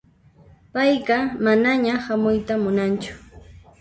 Payqa manaña hamuyta munanchu.